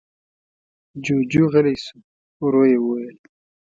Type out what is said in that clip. جُوجُو غلی شو. ورو يې وويل: